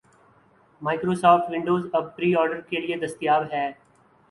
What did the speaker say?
Microsoft Windows اب pre order کے لیے دستیاب ہے